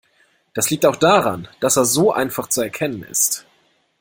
Das liegt auch daran, dass er so einfach zu erkennen ist.